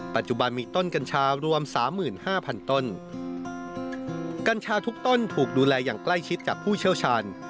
ปัจจุบันมีต้นกัญชารวมสามหมื่นห้าพันต้นกัญชาทุกต้นถูกดูแลอย่างใกล้ชิดกับผู้เชี่ยวชาญ